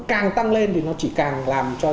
càng tăng lên thì nó chỉ càng làm cho